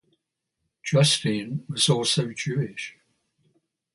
Justine was also Jewish.